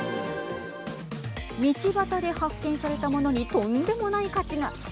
道端で発見されたものにとんでもない価値が。